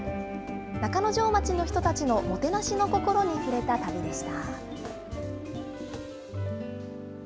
中之条町の人たちのもてなしの心に触れた旅でした。